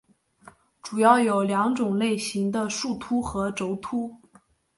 主要有两种类型的树突和轴突。